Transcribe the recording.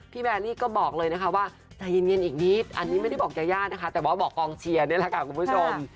แบรี่ก็บอกเลยนะคะว่าใจเย็นอีกนิดอันนี้ไม่ได้บอกยายานะคะแต่ว่าบอกกองเชียร์นี่แหละค่ะคุณผู้ชม